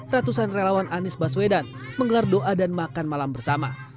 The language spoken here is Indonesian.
ratusan relawan anies baswedan menggelar doa dan makan malam bersama